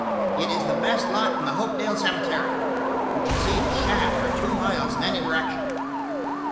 It is the best lot in the Hopedale Cemetery; you can see the shaft for two miles in any direction."